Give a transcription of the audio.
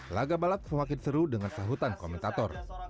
laga balap semakin seru dengan sahutan komentator